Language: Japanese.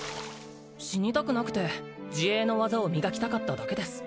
死にたくなくて自衛の技を磨きたかっただけです